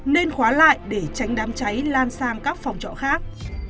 nên khóa lại để tránh đám cháy lan sang các phòng trọ khác